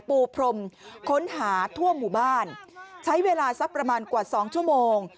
ปูพรมค้นหาทั่วหมู่บ้านใช้เวลาสักประมาณกว่าสองชั่วโมง